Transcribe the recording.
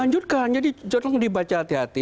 jadi jodoh dibaca hati hati